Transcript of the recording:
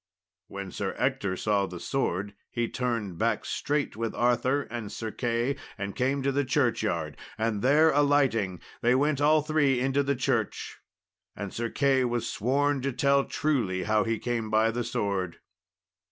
When Sir Ector saw the sword, he turned back straight with Arthur and Sir Key and came to the churchyard, and there alighting, they went all three into the church, and Sir Key was sworn to tell truly how he came by the sword.